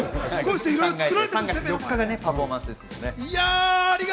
３月４日がパフォーマンスですからね。